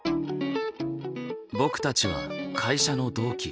僕たちは会社の同期。